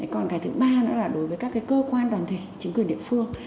còn cái thứ ba nữa là đối với các cơ quan đoàn thể chính quyền địa phương